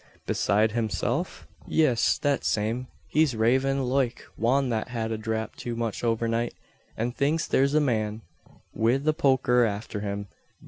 "Beside himself?" "Yis, that same. He's ravin' loike wan that had a dhrap too much overnight, an thinks thare's the man wid the poker afther him.